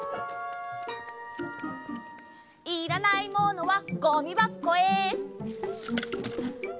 いらないものはゴミばこへ！